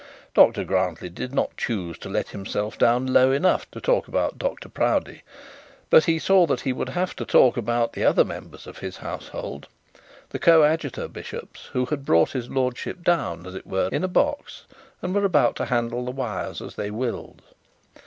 Dr Grantly did not choose to let himself down low enough to talk about Dr Proudie; but he saw that he would have to talk about the other members of his household, the coadjutor bishops, who had brought his lordship down, as it were, in a box, and were about to handle the wires as they willed.